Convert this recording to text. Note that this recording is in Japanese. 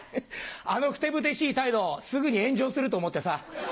あのふてぶてしい態度すぐに炎上すると思ってさ。